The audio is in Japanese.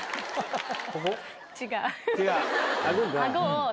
違う。